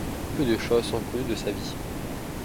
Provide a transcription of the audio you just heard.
Peu de choses sont connus de sa vie.